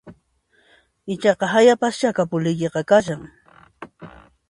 Ichaqa hayapaschá kapuliykiqa kashan